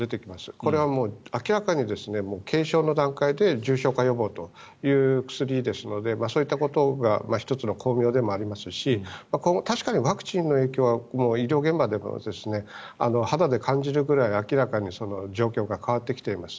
これはもう明らかに軽症の段階で重症化予防という薬ですのでそういったことが１つの光明でもありますし確かにワクチンの影響は医療現場でも肌で感じるぐらい明らかに状況が変わってきています。